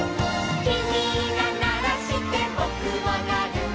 「きみがならしてぼくもなる」